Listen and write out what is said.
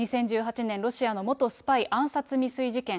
２０１８年、ロシアの元スパイ暗殺未遂事件。